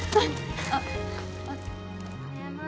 あっあっ。